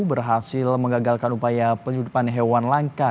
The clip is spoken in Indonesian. berhasil mengagalkan upaya penyeludupan hewan langka